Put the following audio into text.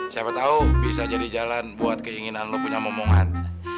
siapa tahu bisa jadi jalan buat keinginan lo punya momongan